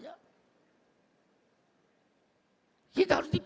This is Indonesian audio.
dan kita harus